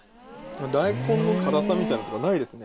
大根の辛さみたいなのとかないですね。